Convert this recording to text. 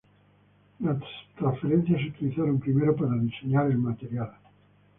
Las transferencias se utilizaron primero para diseñar el material.